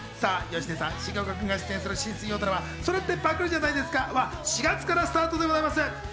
芳根さん、重岡君が出演する新水曜ドラマ『それってパクリじゃないですか？』は４月からスタートです。